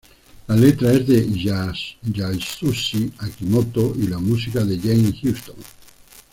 La letra es de Yasushi Akimoto, y la música de Jamie Houston.